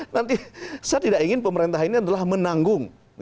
nanti saya tidak ingin pemerintah ini adalah menanggung